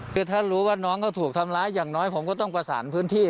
คือถ้ารู้ว่าน้องเขาถูกทำร้ายอย่างน้อยผมก็ต้องประสานพื้นที่